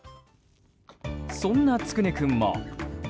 そんな、つくね君も。